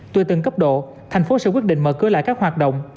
tùy từng cấp độ thành phố sẽ quyết định mở cửa lại các hoạt động